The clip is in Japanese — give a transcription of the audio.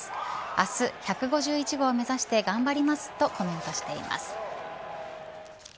明日、１５１号目指して頑張りますとコメントしています。